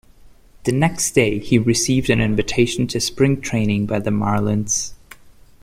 The next day, he received an invitation to spring training by the Marlins.